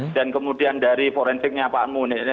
dan kemudian dari forensiknya pak muni